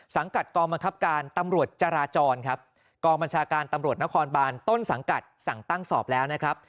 กัดกองบังคับการตำรวจจราจรครับกองบัญชาการตำรวจนครบานต้นสังกัดสั่งตั้งสอบแล้วนะครับ